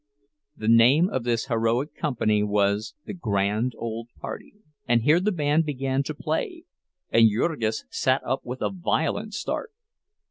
The name of this heroic company was "the Grand Old Party"— And here the band began to play, and Jurgis sat up with a violent start.